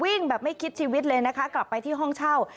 วิ่งแบบไม่คิดชีวิตเลยนะคะกลับไปที่ห้องเช่า